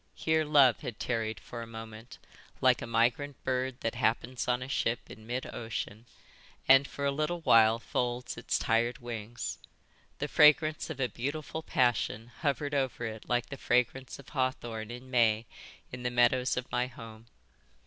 Here love had tarried for a moment like a migrant bird that happens on a ship in mid ocean and for a little while folds its tired wings. The fragrance of a beautiful passion hovered over it like the fragrance of hawthorn in May in the meadows of my home.